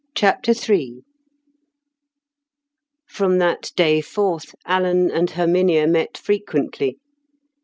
CHAPTER III From that day forth, Alan and Herminia met frequently.